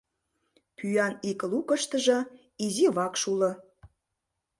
Пӱян ик лукыштыжо изи вакш уло.